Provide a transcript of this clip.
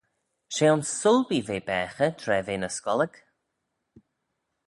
she ayns Sulby v'eh baghey tra v'eh ny scollag